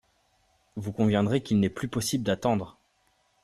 Vous conviendrez qu’il n’est plus possible d’attendre.